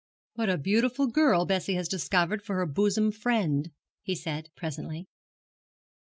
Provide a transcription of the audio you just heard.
'What a beautiful girl Bessie has discovered for her bosom friend,' he said, presently.